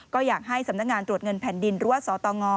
ก็อยากให้สำนักงานตรวจเงินแผ่นดินหรือว่าสตง